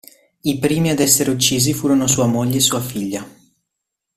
I primi ad essere uccisi furono sua moglie e sua figlia.